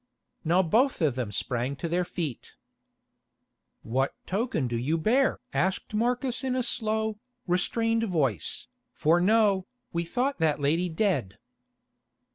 Now both of them sprang to their feet. "What token do you bear?" asked Marcus in a slow, restrained voice, "for know, we thought that lady dead."